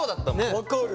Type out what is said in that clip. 分かる！